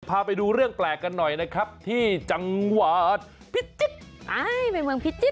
พาไปดูเรื่องแปลกกันหน่อยนะครับที่จังหวัดพิจิตร